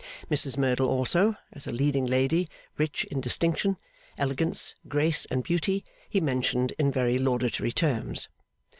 Mrs Merdle also, as a leading lady rich in distinction, elegance, grace, and beauty, he mentioned in very laudatory terms.